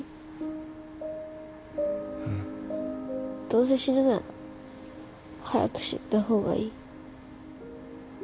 どうせ死ぬなら早く死んだ方がいい。